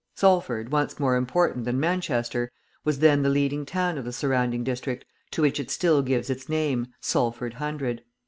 Salford, once more important than Manchester, was then the leading town of the surrounding district to which it still gives its name, Salford Hundred.